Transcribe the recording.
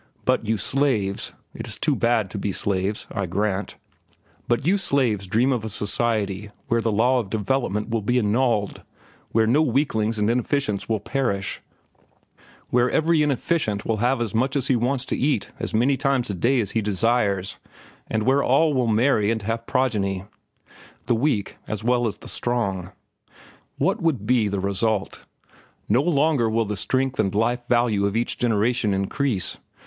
But you slaves—it is too bad to be slaves, I grant—but you slaves dream of a society where the law of development will be annulled, where no weaklings and inefficients will perish, where every inefficient will have as much as he wants to eat as many times a day as he desires, and where all will marry and have progeny—the weak as well as the strong. What will be the result? No longer will the strength and life value of each generation increase.